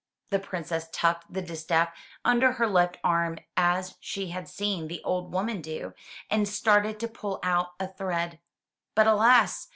The Princess tucked the distatf under her left arm as she had seen the old woman do, and started to pull out a thread. But alas!